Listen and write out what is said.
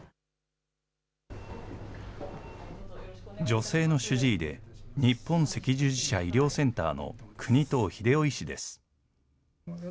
女性の主治医で、日本赤十字社医療センターの國頭英夫医師です。